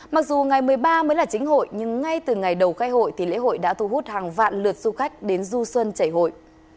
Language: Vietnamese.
mặc dù ngày một mươi ba mới là chính hội nhưng ngay từ ngày đầu khai hội thì lễ hội đã thu hút hàng vạn lượt du khách đến du xuân chảy hội